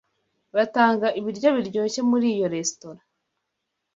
Batanga ibiryo biryoshye muri iyo resitora.